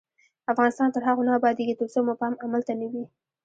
افغانستان تر هغو نه ابادیږي، ترڅو مو پام عمل ته نه وي.